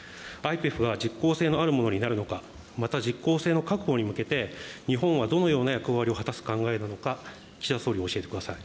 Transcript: ＩＰＥＦは実効性のあるものになるのか、また実効性の確保に向けて、日本はどのような役割を果たす考えなのか、岸田総理、教えてください。